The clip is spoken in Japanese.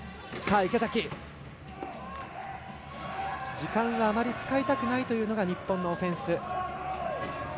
時間をあまり使いたくないというのが日本のオフェンス。